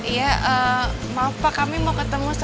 ya maaf pak kami mau ketemu